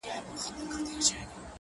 پدرلعنته حادثه ده او څه ستا ياد دی.